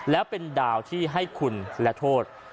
และเป็นดาวที่ให้คุณและโทษ